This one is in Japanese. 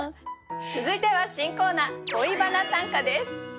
続いては新コーナー「恋バナ短歌」です。